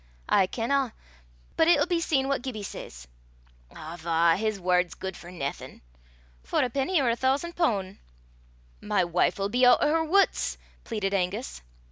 "I kenna; but it'll be seen what Gibbie says." "Awva! his word's guid for naething." "For a penny, or a thoosan' poun'." "My wife 'll be oot o' her wuts," pleaded Angus.